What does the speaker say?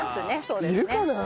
いるかなあ？